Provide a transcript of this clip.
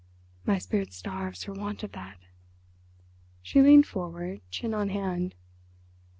My spirit starves for want of that." She leaned forward, chin on hand.